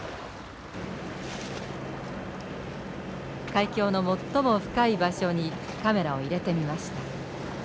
海峡の最も深い場所にカメラを入れてみました。